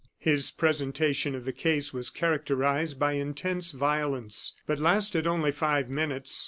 His presentation of the case was characterized by intense violence, but lasted only five minutes.